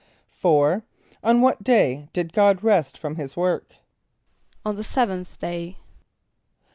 = =4.= On what day did God rest from his work? =On the seventh day.